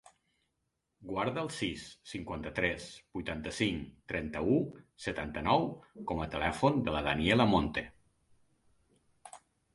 Guarda el sis, cinquanta-tres, vuitanta-cinc, trenta-u, setanta-nou com a telèfon de la Daniela Monte.